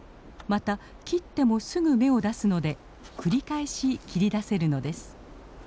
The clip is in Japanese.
また切ってもすぐ芽を出すので繰り返し切り出せるのです。